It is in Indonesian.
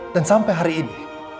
dan sampai hari ini